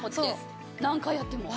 何回やっても。